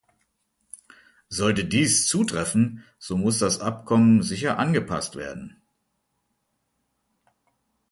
Sollte dies zutreffen, so muss das Abkommen sicher angepasst werden.